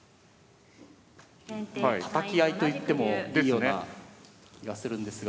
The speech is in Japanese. たたき合いといってもいいような気がするんですが。